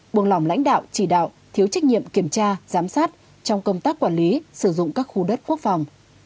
buông lỏng lãnh đạo chỉ đạo thiếu trách nhiệm kiểm tra giám sát trong công tác quản lý sử dụng các khu đất quốc phòng